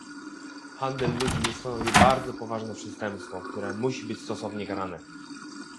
Handel ludźmi stanowi bardzo poważne przestępstwo, które musi być stosownie karane